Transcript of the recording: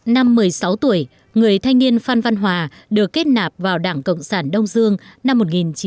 năm một mươi sáu tuổi người thanh niên phan văn hòa được kết nạp vào đảng cộng sản đông dương năm một nghìn chín trăm bảy mươi